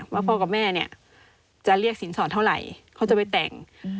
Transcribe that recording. พ่อกับแม่เนี่ยจะเรียกสินสอดเท่าไหร่เขาจะไปแต่ง